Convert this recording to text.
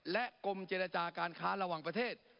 และกรมเจรจาการค้าระหว่างประเทศ